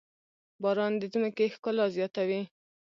باران د ځمکې ښکلا زياتوي.